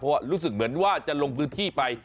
เพราะว่ารู้สึกเหมือนว่าจะลงพื้นที่ไป